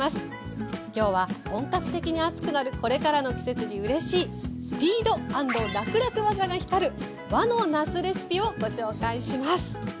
今日は本格的に暑くなるこれからの季節にうれしいスピード＆らくらく技が光る和のなすレシピをご紹介します。